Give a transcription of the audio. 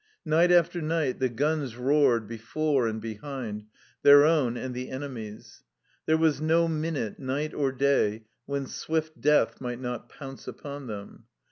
Night after night the guns roared before and behind their own and the enemies'. There was no minute night or day when swift death might not pounce upon them.